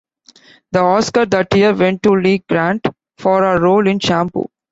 The Oscar that year went to Lee Grant for her role in "Shampoo".